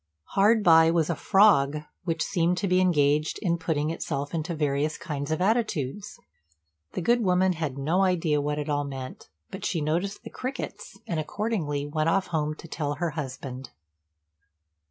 Hard by was a frog, which seemed to be engaged in putting itself into various kinds of attitudes. The good woman had no idea what it all meant; but she noticed the crickets, and accordingly went off home to tell her husband.